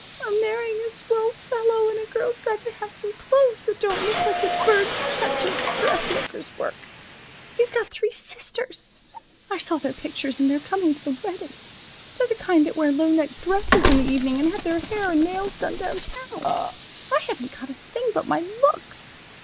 I'm marrying a swell fellow and a girl's got to have some clothes that don't look like a Bird Center dressmaker's work. He's got three sisters. I saw their pictures and they're coming to the wedding. They're the kind that wear low necked dresses in the evening, and have their hair and nails done downtown. I haven't got a thing but my looks.